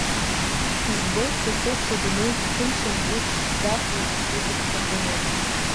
Избоит, са сеиԥш адунеигьы ҭынчым, уигь шзахәо ицоит иҭҟьаӡаны.